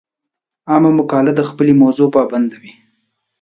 عامه مقاله د خپلې موضوع پابنده وي.